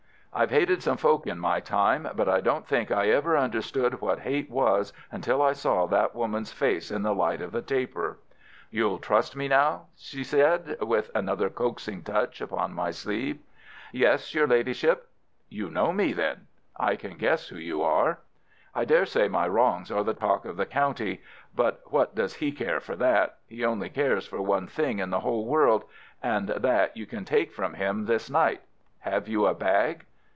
I've hated some folk in my time, but I don't think I ever understood what hate was until I saw that woman's face in the light of the taper. "You'll trust me now?" said she, with another coaxing touch upon my sleeve. "Yes, your Ladyship." "You know me, then?" "I can guess who you are." "I daresay my wrongs are the talk of the county. But what does he care for that? He only cares for one thing in the whole world, and that you can take from him this night. Have you a bag?"